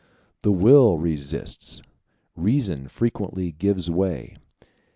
The will resists reason frequently gives way.